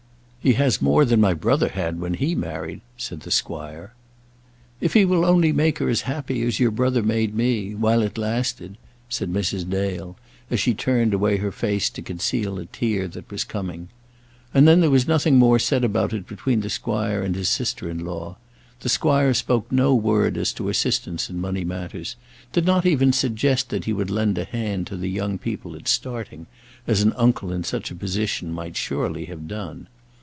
"He has more than my brother had when he married," said the squire. "If he will only make her as happy as your brother made me, while it lasted!" said Mrs. Dale, as she turned away her face to conceal a tear that was coming. And then there was nothing more said about it between the squire and his sister in law. The squire spoke no word as to assistance in money matters, did not even suggest that he would lend a hand to the young people at starting, as an uncle in such a position might surely have done.